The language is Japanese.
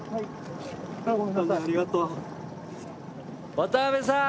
渡邊さん